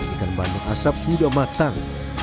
ikan bandeng asap sudah matang